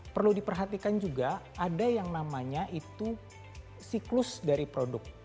perlu diperhatikan juga ada yang namanya itu siklus dari produk